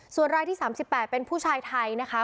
ส่วนรายที่๓๘เป็นผู้ชายไทยนะคะ